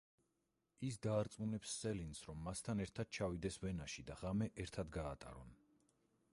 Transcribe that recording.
ის დაარწმუნებს სელინს, რომ მასთან ერთად ჩავიდეს ვენაში და ღამე ერთად გაატარონ.